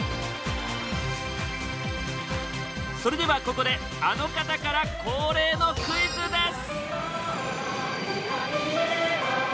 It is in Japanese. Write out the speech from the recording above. それではここであの方から恒例のクイズです！